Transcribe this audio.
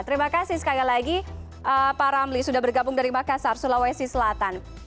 terima kasih sekali lagi pak ramli sudah bergabung dari makassar sulawesi selatan